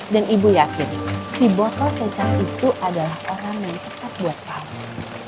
dan ibu yakin si botol kecap itu adalah orang yang tepat buat kamu